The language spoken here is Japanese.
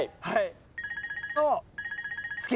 はい。